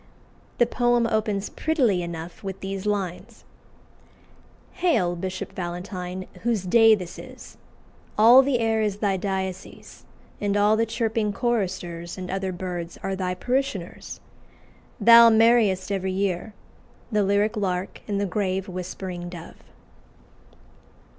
The poem opens prettily enough with these lines "Hail, Bishop Valentine, whose day this is! All the air is thy diocese; And all the chirping choristers And other birds are thy parishioners. Thou marry'st every year The lyrique lark and the grave whispering dove."